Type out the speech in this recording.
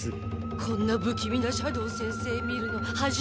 こんな不気味な斜堂先生見るの初めて。